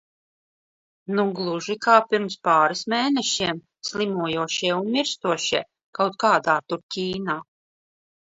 Nu gluži kā pirms pāris mēnešiem slimojošie un mirstošie kaut kādā tur Ķīnā.